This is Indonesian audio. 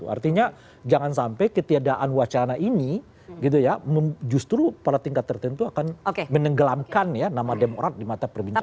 artinya jangan sampai ketiadaan wacana ini gitu ya justru pada tingkat tertentu akan menenggelamkan ya nama demokrat di mata perbincangan